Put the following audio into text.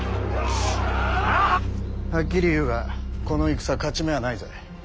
はっきり言うがこの戦勝ち目はないぜ。